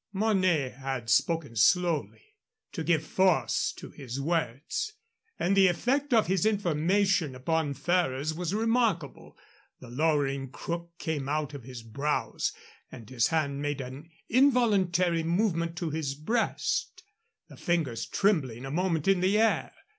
Mornay had spoken slowly, to give force to his words, and the effect of his information upon Ferrers was remarkable. The lowering crook came out of his brows, and his hand made an involuntary movement to his breast, the fingers trembling a moment in the air.